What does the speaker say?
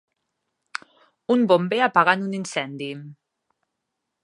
Un bomber apagant un incendi.